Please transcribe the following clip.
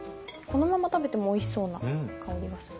このまま食べてもおいしそうな香りがする。